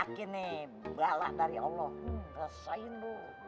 begini beratlah dari allah rasain bu